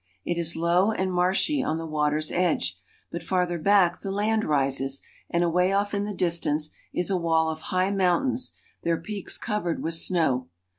It is low and marshy on the water's edge, but farther back; the land rises, and away off in the distance is a wall of high mountains, their peaks covered with snow.